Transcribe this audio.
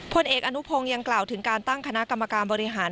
พลเอกอนุพงศ์ยังกล่าวถึงการตั้งคณะกรรมการบริหาร